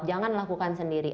jangan lakukan sendiri